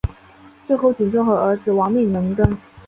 最后景忠和儿子亡命能登。